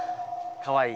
かわいい。